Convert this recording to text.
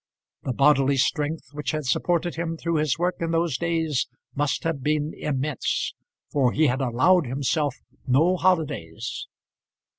The bodily strength which had supported him through his work in those days must have been immense, for he had allowed himself no holidays.